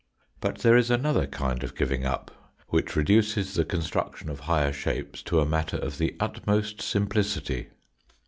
But there is another kind of giving up which reduces the construction of higher shapes to a matter of the utmost simplicity.